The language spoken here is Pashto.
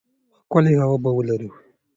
ښکلې هوا به ولرو.